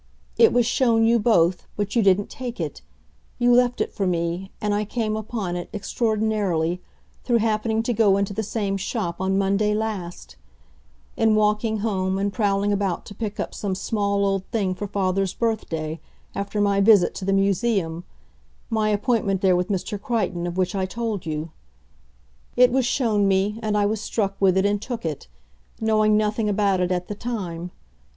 It was shown you both, but you didn't take it; you left it for me, and I came upon it, extraordinarily, through happening to go into the same shop on Monday last; in walking home, in prowling about to pick up some small old thing for father's birthday, after my visit to the Museum, my appointment there with Mr. Crichton, of which I told you. It was shown me, and I was struck with it and took it knowing nothing about it at the time.